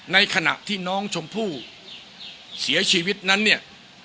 ในขณะที่น้องชมพู่เสียชีวิตนั้นเนี่ย